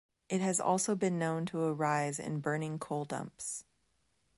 It has also been known to arise in burning coal dumps.